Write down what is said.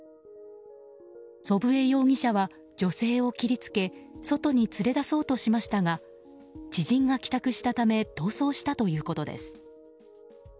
祖父江容疑者は女性を切り付け外に連れ出そうとしましたが知人が帰宅したため逃走したということです。